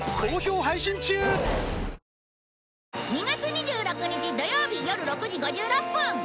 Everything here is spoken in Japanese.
２月２６日土曜日よる６時５６分。